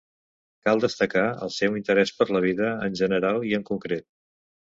Cal destacar, el seu interès per la vida en general i en concret.